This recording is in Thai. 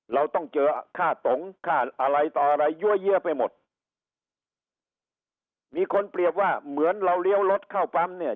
เราต้องเจอค่าตงค่าอะไรต่ออะไรยั่วเยอะไปหมดมีคนเปรียบว่าเหมือนเราเลี้ยวรถเข้าปั๊มเนี่ย